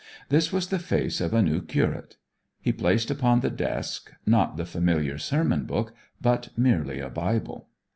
This was the face of a new curate. He placed upon the desk, not the familiar sermon book, but merely a Bible.